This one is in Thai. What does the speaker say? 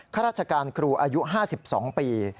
ข้าราชการครูอายุ๕๒ปี